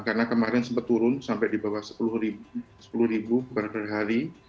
karena kemarin sebetulnya sampai di bawah sepuluh ribu berhari